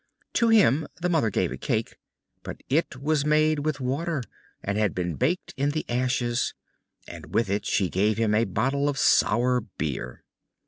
To him the Mother gave a cake, but it was made with water and had been baked in the ashes, and with it she gave him a bottle of sour beer.